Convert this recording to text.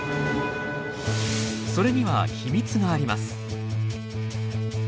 それには秘密があります。